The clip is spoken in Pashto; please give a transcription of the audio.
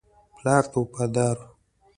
پلار ته وفادار وو.